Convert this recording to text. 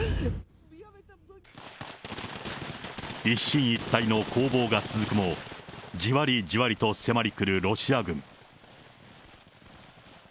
一進一退の攻防が続くも、じわりじわりと迫りくるロシア軍。